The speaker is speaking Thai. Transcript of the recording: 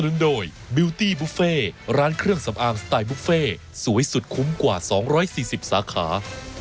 ต้องถามเรื่องสำคัญที่คุณชูวิทย์ไปมา